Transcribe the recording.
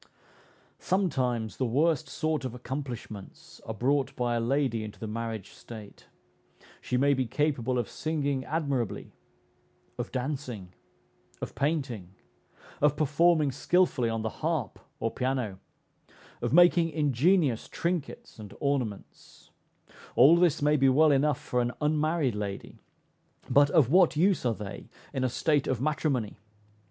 Sometimes the worst sort of accomplishments are brought by a lady into the marriage state: she may be capable of singing admirably, of dancing, of painting, of performing skilfully on the harp or piano, of making ingenious trinkets and ornaments; all this may be well enough for an unmarried lady, but of what use are they in a state of matrimony?